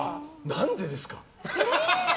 何でですか？